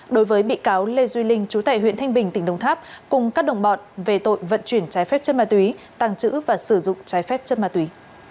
đối với bị cáo lê duy linh chú tải huyện thanh bình tỉnh đồng tháp cùng các đồng bọn về tội vận chuyển trái phép chất ma túy tàng trữ và sử dụng trái phép chất ma túy